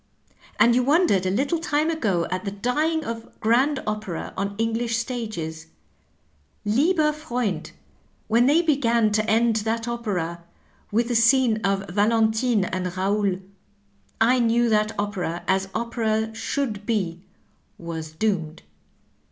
And you wondered a little time ago at the dying of grand opera on English stages, lAeber Frewnd^ when they began to end that opera with the scene of Valentine and Eaonl, I knew that opera, as opera shonld be, was doomed.